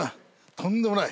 とんでもない。